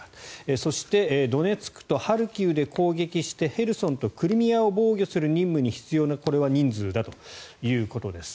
そして、ドネツクとハルキウで攻撃してヘルソンとクリミアを防御する任務に必要な人数だということです。